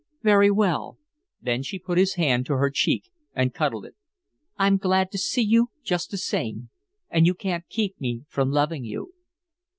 "Very well" then she put his hand to her cheek and cuddled it. "I'm glad to see you just the same, and you can't keep me from loving you."